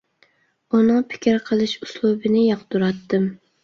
ئۇنىڭ پىكىر قىلىش ئۇسلۇبىنى ياقتۇراتتىم.